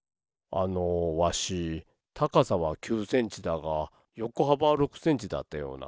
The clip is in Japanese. あのわし高さは９センチだがよこはばは６センチだったような。